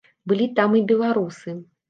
Былі там і беларусы.